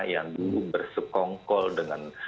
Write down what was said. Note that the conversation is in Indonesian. yang dulu bersekongkol dengan